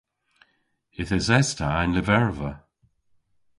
Yth eses ta y'n lyverva.